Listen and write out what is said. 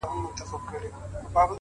o گلي پر ملا باندي راماته نسې ـ